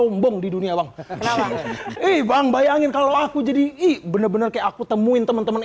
yang sombong di dunia bang bang bayangin kalau aku jadi i bener bener ke aku temuin temen temen